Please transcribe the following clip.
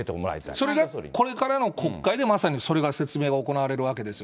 それが、これからの国会でまさにそれが説明が行われるわけですよ。